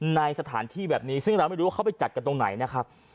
ในสถานที่แบบนี้ซึ่งเราไม่รู้ว่าเขาไปจัดกันตรงไหนนะครับ